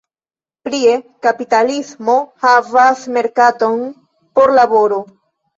Plie, kapitalismo havas merkaton por laboro.